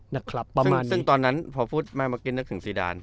ประมาณซึ่งตอนนั้นพอพูดมาเมื่อกี้นึกถึงซีดาน